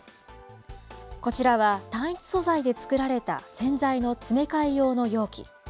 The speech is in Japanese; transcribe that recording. こちらは単一素材で作られた洗剤の詰め替え用の容器。